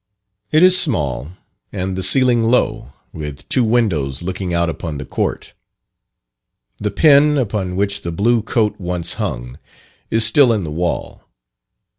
It is small, and the ceiling low, with two windows looking out upon the court. The pin upon which the blue coat once hung, is still in the wall.